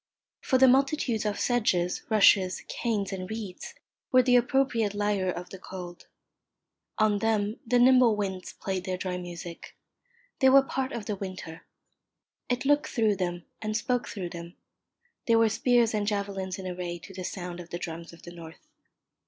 For the multitudes of sedges, rushes, canes, and reeds were the appropriate lyre of the cold. On them the nimble winds played their dry music. They were part of the winter. It looked through them and spoke through them. They were spears and javelins in array to the sound of the drums of the north.